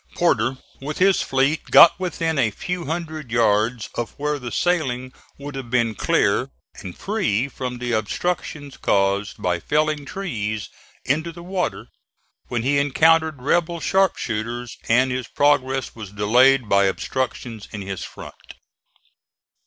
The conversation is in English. Porter, with his fleet, got within a few hundred yards of where the sailing would have been clear and free from the obstructions caused by felling trees into the water, when he encountered rebel sharp shooters, and his progress was delayed by obstructions in his front.